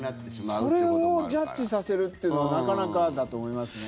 それをジャッジさせるっていうのはなかなかだと思いますね。